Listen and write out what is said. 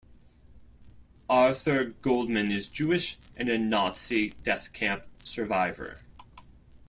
Arthur Goldman is Jewish and a Nazi death camp survivor.